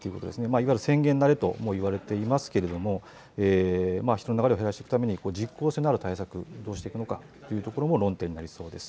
いわゆる宣言慣れともいわれていますけれども、人の流れを減らしていくために、実効性のある対策をどうしていくのかというところも論点になりそうです。